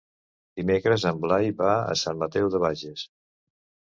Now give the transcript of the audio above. Dimecres en Blai va a Sant Mateu de Bages.